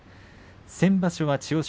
先場所は千代翔